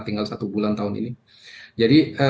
tinggal satu bulan tahun ini jadi